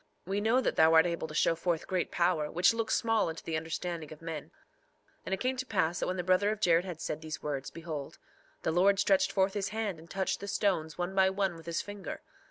We know that thou art able to show forth great power, which looks small unto the understanding of men. 3:6 And it came to pass that when the brother of Jared had said these words, behold, the Lord stretched forth his hand and touched the stones one by one with his finger.